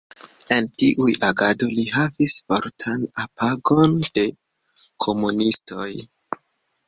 En tiu agado li havis fortan apogon de komunistoj.